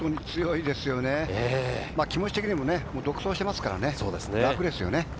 気持ち的にも独走していますから、楽ですよね。